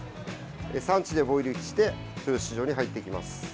産地でボイルして豊洲市場に入ってきます。